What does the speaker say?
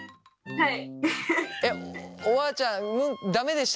はい。